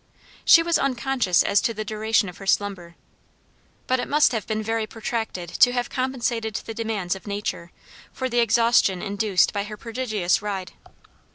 She was unconscious as to the duration of her slumber, but it must have been very protracted to have compensated the demands of nature, for the exhaustion induced by her prodigious ride.